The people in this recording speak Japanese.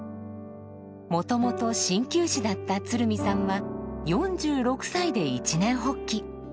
もともとしんきゅう師だった鶴見さんは４６歳で一念発起。